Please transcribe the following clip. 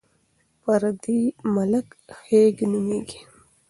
پردی ملک خیګ نومېږي.